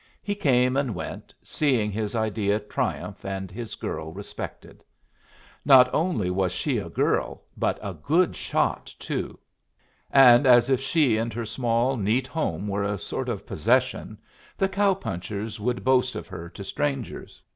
He came and went, seeing his idea triumph and his girl respected. Not only was she a girl, but a good shot too. And as if she and her small, neat home were a sort of possession, the cow punchers would boast of her to strangers.